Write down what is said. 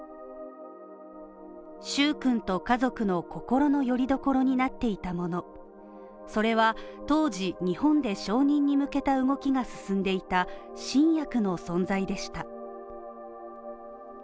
蹴君と家族の心のよりどころになっていたものそれは当時、日本で承認に向けた動きが進んでいた新薬の存在でした。